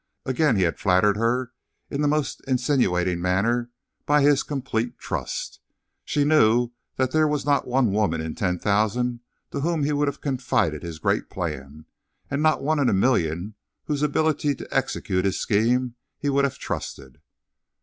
Again he had flattered her in the most insinuating manner by his complete trust. She knew that there was not one woman in ten thousand to whom he would have confided his great plan, and not one in a million whose ability to execute his scheme he would have trusted.